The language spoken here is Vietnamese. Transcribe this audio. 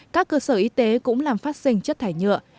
các cơ sở y tế cũng làm phát sinh chất thải nhựa